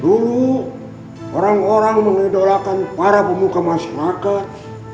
dulu orang orang mengidolakan para pemuka masyarakat